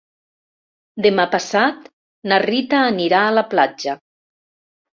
Demà passat na Rita anirà a la platja.